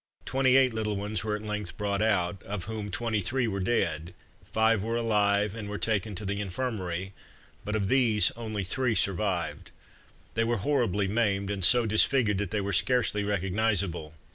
Twenty eight little ones were at length brought out, of whom twenty three were dead; five were alive, and were taken to the Infirmary, but of these, only three survived. They were horribly maimed, and so disfigured that they were scarcely recognizable.